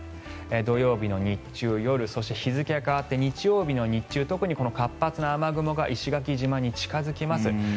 土曜日の日中、夜そして日付が変わって日曜日の日中特に活発な雨雲が石垣島に近付きます。